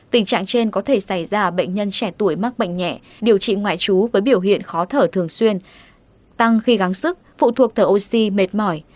tình trạng trên có thể xảy ra ở bệnh nhân trẻ tuổi mắc bệnh nhẹ điều trị ngoại trú với biểu hiện khó thở thường xuyên tăng khi gắngg sức phụ thuộc thở oxy mệt mỏi